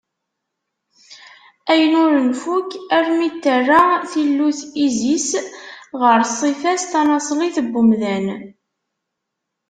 Ayen ur nfukk armi t-terra tillut Izis ɣer ṣṣifa-s tanaṣlit n wemdan.